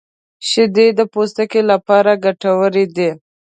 • شیدې د پوستکي لپاره ګټورې دي.